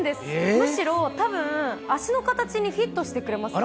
むしろ、たぶん、足の形にフィットしてくれます。